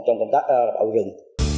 trong công tác bảo vệ rừng